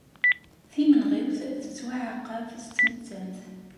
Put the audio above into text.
Timenɣiwt tettwaɛaqab s tmettant.